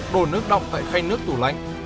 đổ nước đọng tại khay nước tủ lãnh